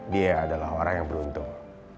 dia adalah orang yang beruntung